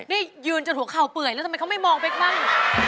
นี่ยืนจนหัวเข่าเปื่อยแล้วทำไมเขาไม่มองเป๊กมั่ง